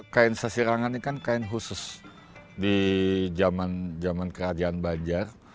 kain sasirangan ini kan kain khusus di zaman kerajaan banjar